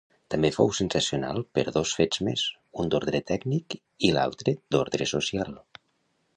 També fou sensacional per dos fets més, un d'ordre tècnic i l'altre d'ordre social.